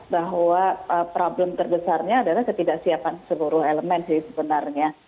bahwa problem terbesarnya adalah ketidaksiapan seluruh elemen sih sebenarnya